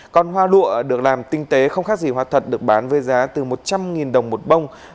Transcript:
còn hoa lụa được làm tinh tế không khác gì hoa thật được bán với giá từ một trăm linh đồng một bông